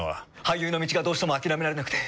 俳優の道がどうしても諦められなくて。